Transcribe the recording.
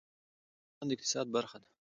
تالابونه د افغانستان د اقتصاد برخه ده.